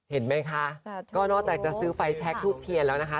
เห็นไหมคะก็นอกจากจะซื้อไฟแชคทูบเทียนแล้วนะคะ